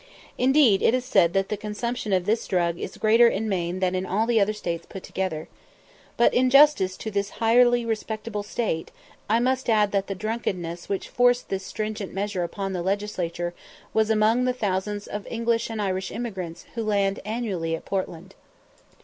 Indeed it is said that the consumption of this drug is greater in Maine than in all the other States put together. But in justice to this highly respectable State, I must add that the drunkenness which forced this stringent measure upon the legislature was among the thousands of English and Irish emigrants who annually land at Portland.